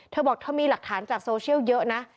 เธอบอกเธอมีหลักฐานจากโซเชียลเยอะนะ